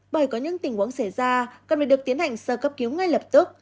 bởi có những tình huống xảy ra cần phải được tiến hành sơ cấp cứu ngay lập tức